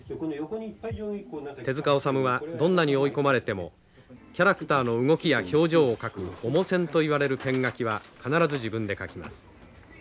手塚治虫はどんなに追い込まれてもキャラクターの動きや表情を描く主線といわれるペン描きは必ず自分で描きます。